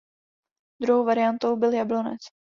Druhou variantou byl Jablonec.